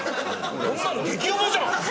こんなの激ヤバじゃん！